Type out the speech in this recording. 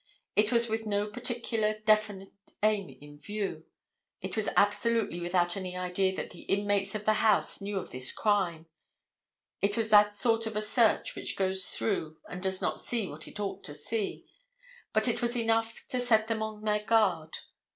It was with no particular definite aim in view. It was absolutely without any idea that the inmates of the house knew of this crime. It was that sort of a search which goes through and does not see what it ought to see. But it was enough to set them on their guard.